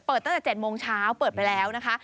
ตั้งแต่๗โมงเช้าเปิดไปแล้วนะคะ